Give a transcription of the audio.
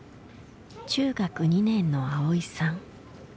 中学２年のあおいさん。